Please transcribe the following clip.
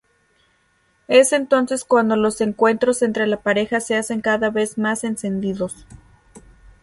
Es entonces cuando los encuentros entre la pareja se hacen cada vez más encendidos.